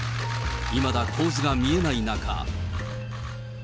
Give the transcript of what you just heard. いまだ構図が見えない中。